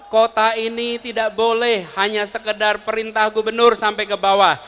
kota ini tidak boleh hanya sekedar perintah gubernur sampai ke bawah